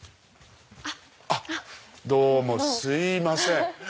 どうもすいません！